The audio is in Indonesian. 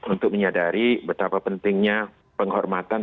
untuk menyadari betapa pentingnya penghormatan